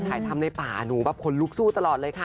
ถ่ายทำหน้าป่าแหหนูที่หลุกสู้ตลอดเลยค่ะ